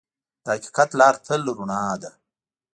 د حقیقت لار تل رڼا ده.